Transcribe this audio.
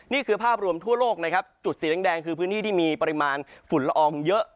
นี่คือภาพรวมทั่วโลกนะครับจุดสีแดงคือพื้นที่ที่มีปริมาณฝุ่นละอองเยอะ